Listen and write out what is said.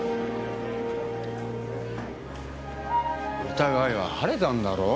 疑いは晴れたんだろ？